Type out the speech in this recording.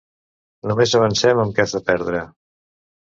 Només avancem en cas de perdre.